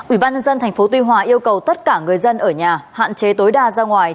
ủy ban nhân dân tp tuy hòa yêu cầu tất cả người dân ở nhà hạn chế tối đa ra ngoài